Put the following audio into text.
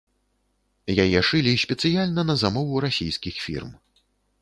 Яе шылі спецыяльна на замову расійскіх фірм.